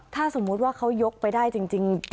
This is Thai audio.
ถ้าสมมุติว่าเขายกไปได้จริง